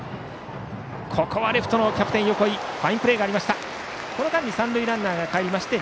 ここはレフトのキャプテン、横井ファインプレーがありました。